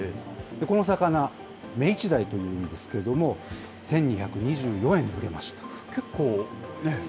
この魚、メイチダイというんですけど、１２２４円で売れました。